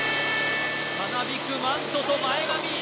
たなびくマントと前髪。